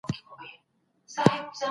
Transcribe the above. استادانو وويل چی فني مهارت مثمريت لوړوي.